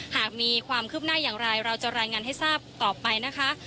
หากมีความคืบหน้าอย่างไรเราจะรายงานให้ทราบต่อไปนะคะ